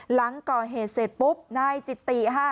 หลังก่อเหตุเสร็จปุ๊บนายจิตติค่ะ